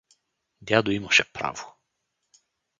Дядо имаше право.